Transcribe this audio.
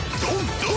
ドン！」